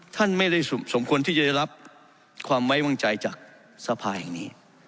ท่านไม่ได้สมควรที่จะได้รับความไว้วางใจจากสภาแห่งนี้